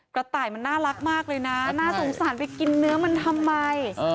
กระต่ายมันน่ารักมากเลยนะน่าสงสารไปกินเนื้อมันทำไม